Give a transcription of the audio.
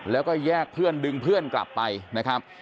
แล้วก็แยกเพื่อนดึงเพื่อนกลับไปนะครับ